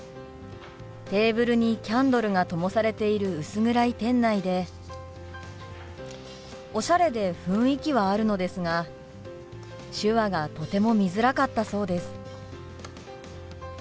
テーブルにキャンドルがともされている薄暗い店内でおしゃれで雰囲気はあるのですが手話がとても見づらかったそうです。